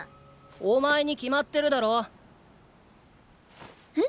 お前に決まってるだろ！え。